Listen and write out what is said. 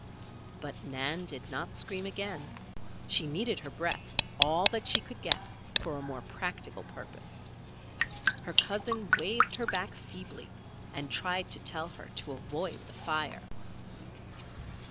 But Nan did not scream again. She needed her breath, all that she could get, for a more practical purpose. Her cousin waved her back feebly, and tried to tell her to avoid the fire.